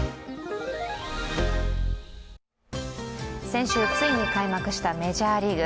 先週ついに開幕したメジャーリーグ。